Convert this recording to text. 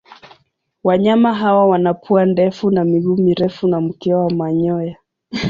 Wanyama hawa wana pua ndefu na miguu mirefu na mkia wa manyoya.